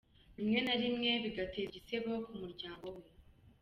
Rimwe na rimwe bigateza igisebo ku muryango we.